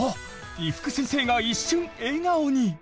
伊福先生が一瞬笑顔に！